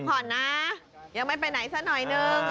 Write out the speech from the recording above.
ก่อนนะยังไม่ไปไหนสักหน่อยนึง